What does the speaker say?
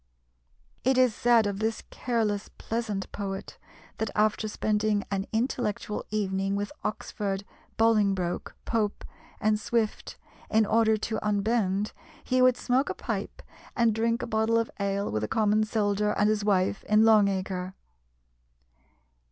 It is said of this careless, pleasant poet, that after spending an intellectual evening with Oxford, Bolingbroke, Pope, and Swift, in order to unbend, he would smoke a pipe and drink a bottle of ale with a common soldier and his wife in Long Acre.